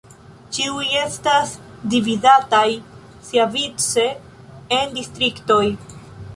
Ĉiuj estas dividataj siavice en distriktoj.